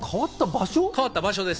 変わった場所です。